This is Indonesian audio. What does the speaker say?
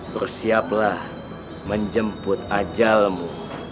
bersiaplah menjemput ajalmu